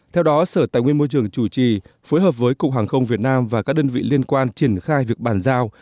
theo đó sở tài nguyên môi trường chủ trì phối hợp với cục hàng không việt nam và các đơn vị liên quan triển khai việc bàn giao